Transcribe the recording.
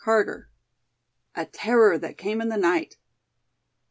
CHAPTER IV. A TERROR THAT CAME IN THE NIGHT.